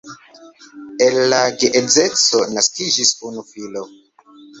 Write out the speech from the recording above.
El la geedzeco naskiĝis unu filo.